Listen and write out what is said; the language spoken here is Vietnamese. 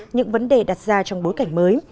những vấn đề đặt ra trong bối cảnh mới